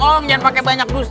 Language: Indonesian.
jangan pake banyak dosa